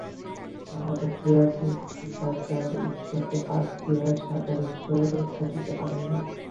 আমরা দেখিয়াছি, নিরাকার ঈশ্বরকে বাদ দিয়া সাকার ঈশ্বর থাকিতে পারেন না।